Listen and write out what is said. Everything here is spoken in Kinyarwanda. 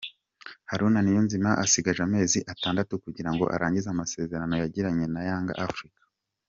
Haruna Niyonzima asigaje amezi atandatu kugira ngo arangize amasezerano yagiranye na Yanga Africa.